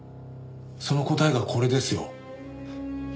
その答えがこれですよ。